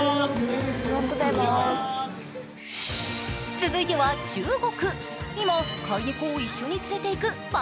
続いては中国。